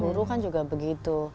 guru kan juga begitu